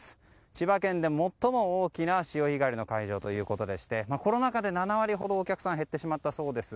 千葉県で最も大きな潮干狩りの会場ということでしてコロナ禍で７割ほどお客さん減ってしまったそうです。